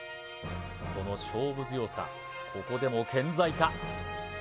その勝負強さここでも健在か？